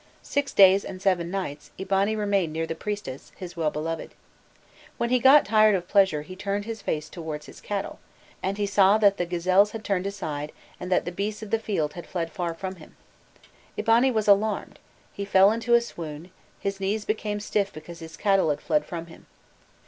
Six days and seven nights, Eabani remained near the priestess, his well beloved. When he got tired of pleasure he turned his face towards his cattle, and he saw that the gazelles had turned aside and that the beasts of the field had fled far from him. Eabani was alarmed, he fell into a swoon, his knees became stiff because his cattle had fled from him.